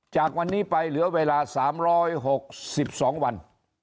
จากวันนี้ไปเหลือเวลา๓๖๒วัน